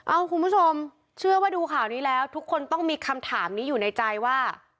คุณผู้ชมเชื่อว่าดูข่าวนี้แล้วทุกคนต้องมีคำถามนี้อยู่ในใจว่า